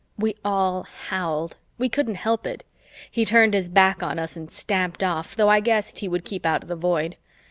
We all howled, we couldn't help it. He turned his back on us and stamped off, though I guessed he would keep out of the Void.